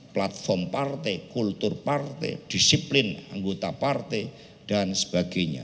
platform partai kultur partai disiplin anggota partai dan sebagainya